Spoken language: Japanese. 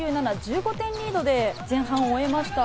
２７、１５点リードで前半を終えました。